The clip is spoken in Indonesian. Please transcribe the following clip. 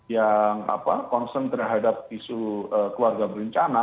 yang concern terhadap isu keluarga berencana